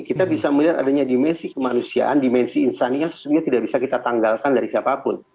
kita bisa melihat adanya dimensi kemanusiaan dimensi insani yang sesungguhnya tidak bisa kita tanggalkan dari siapapun